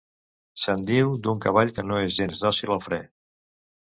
Se'n diu d'un cavall que no és gens dòcil al fre.